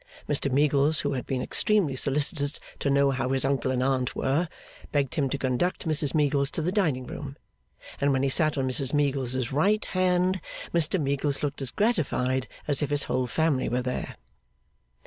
Mr Meagles (who had been extremely solicitous to know how his uncle and aunt were) begged him to conduct Mrs Meagles to the dining room. And when he sat on Mrs Meagles's right hand, Mr Meagles looked as gratified as if his whole family were there.